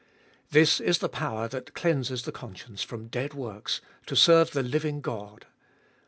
This is the power that cleanses the conscience from dead works to serve the living God.